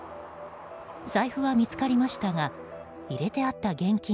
財布は見つかりましたが入れてあった現金